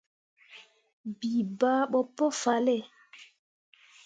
Bii bah ɓo pu fahlle.